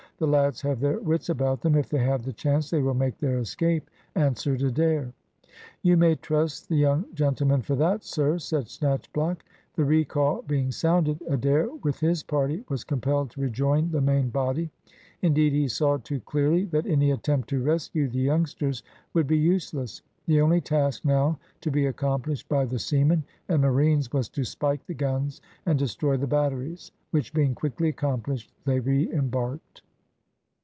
The lads have their wits about them; if they have the chance, they will make their escape," answered Adair. "You may trust the young gentlemen for that, sir," said Snatchblock. The recall being sounded, Adair with his party was compelled to rejoin the main body; indeed, he saw too clearly that any attempt to rescue the youngsters would be useless. The only task now to be accomplished by the seamen and marines was to spike the guns and destroy the batteries, which being quickly accomplished, they re embarked.